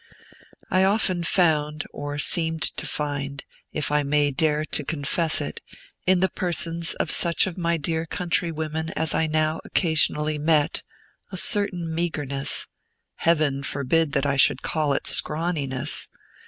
I often found, or seemed to find, if I may dare to confess it, in the persons of such of my dear countrywomen as I now occasionally met, a certain meagreness, (Heaven forbid that I should call it scrawniness!)